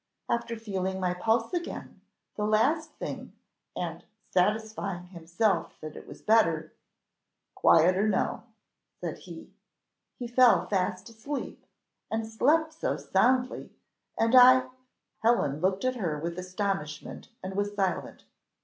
After feeling my pulse again, the last thing, and satisfying himself that it was better 'Quieter now,' said he, he fell fast asleep, and slept so soundly, and I " Helen looked at her with astonishment, and was silent.